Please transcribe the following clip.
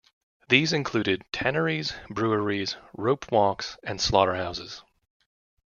These included tanneries, breweries, ropewalks, and slaughterhouses.